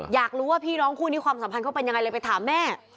อยากรู้พี่น้องคู่นี้ความสำคัญเป็นไงเลยไปถามแม่